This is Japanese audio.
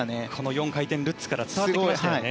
４回転ルッツから伝わってきましたよね。